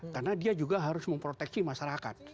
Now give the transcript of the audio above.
karena dia juga harus memproteksi masyarakat